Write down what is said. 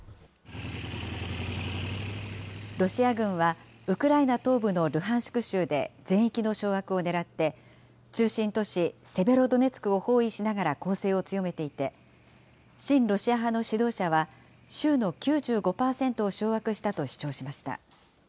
ロシア軍はウクライナ東部のルハンシク州で全域の掌握をねらって、中心都市セベロドネツクを包囲しながら攻勢を強めていて、親ロシア派の指導者は、州の９５％を掌握したと主張しました。